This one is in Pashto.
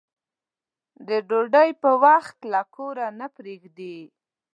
د ډوډۍ په وخت له کوره نه پرېږدي.